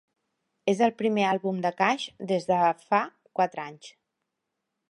És el primer àlbum de Cash des de fa quatre anys.